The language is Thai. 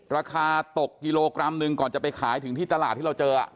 ราคาตกกิโลกรัมหนึ่งก่อนจะไปขายถึงที่ตลาดที่เราเจอ